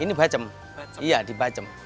ini bacem iya dibacem